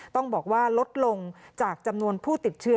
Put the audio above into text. ต้องบอกว่าลดลงจากจำนวนผู้ติดเชื้อ